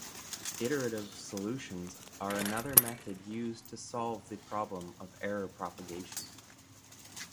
Iterative solutions are another method used to solve the problem of error propagation.